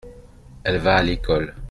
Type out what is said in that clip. Elle va à l’école.